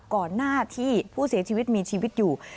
ก่อนหน้าที่ผู้เสียชีวิตมีชีวิตอยู่